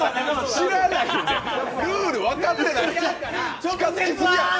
知らないよ、ルール分かってないから。